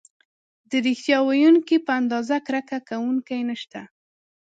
د ریښتیا ویونکي په اندازه کرکه کوونکي نشته.